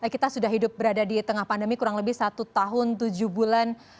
kita sudah hidup berada di tengah pandemi kurang lebih satu tahun tujuh bulan